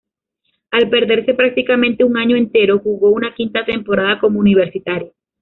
Al perderse prácticamente un año entero, jugó una quinta temporada como universitario.